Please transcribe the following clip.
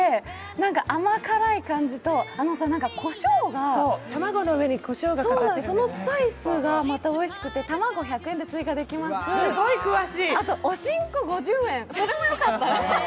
なんか甘辛い感じと、コショウが、そのスパイスがまたおいしくて卵１００円で追加できますし、おしんこ５０円、それもよかった。